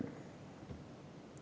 yang gak boleh pas pam pres